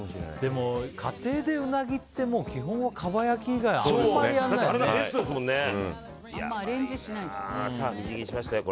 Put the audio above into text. でも、家庭でうなぎって基本は、かば焼き以外あんまアレンジしないですよね。